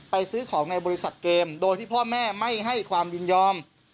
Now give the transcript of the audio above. ซื้อของในบริษัทเกมโดยที่พ่อแม่ไม่ให้ความยินยอม